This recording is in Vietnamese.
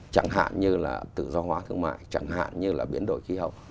chẳng hạn như là tự do hóa thương mại chẳng hạn như là biến đổi khí hậu